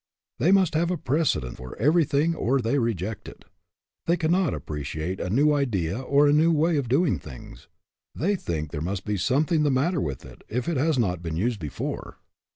They must have a precedent for everything or they reject it. They cannot appreciate a new idea or a new way of doing things. They think there must be something the matter with it if it has not been used before.